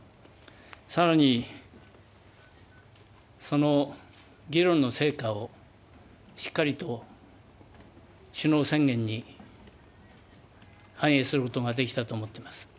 さらに、その議論の成果をしっかりと首脳宣言に反映することができたと思っています。